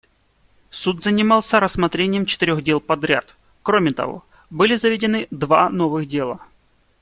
Суд занимался рассмотрением четырех дел подряд; кроме того, были заведены два новых дела.